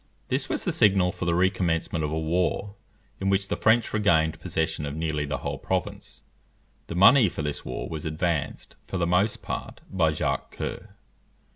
This was the signal for the recommencement of a war, in which the French regained possession of nearly the whole province. The money for this war was advanced, for the most part, by Jacques Coeur.